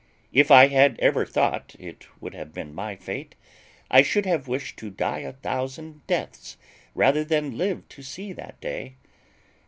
If I had ever thought it would have been my fate, I should have wished to die a thousand deaths rather than live to see that day.